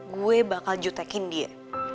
gue bakal jutekin dia